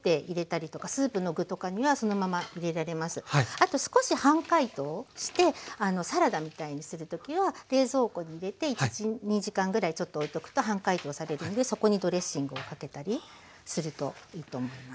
あと少し半解凍してサラダみたいにする時は冷蔵庫に入れて１２時間ぐらいちょっとおいておくと半解凍されるのでそこにドレッシングをかけたりするといいと思います。